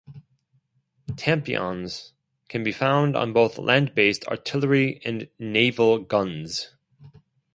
Tampions can be found on both land-based artillery and naval guns.